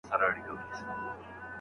رسول الله صلی الله عليه وسلم راته وويل.